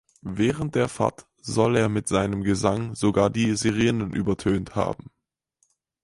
Während der Fahrt soll er mit seinem Gesang sogar die Sirenen übertönt haben.